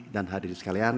dan hadirin sekalian